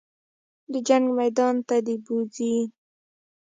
د جنګ میدان ته دې بوځي.